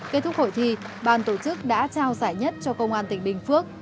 kết thúc hội thi ban tổ chức đã trao giải nhất cho công an tỉnh bình phước